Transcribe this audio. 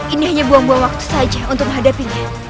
ini hanya buang buang waktu saja untuk menghadapinya